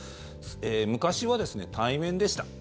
昔は対面でした。